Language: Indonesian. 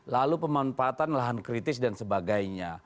lalu pemanfaatan lahan kritis dan sebagainya